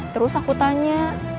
terus aku tanya